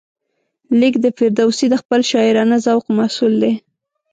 لیک د فردوسي د خپل شاعرانه ذوق محصول دی.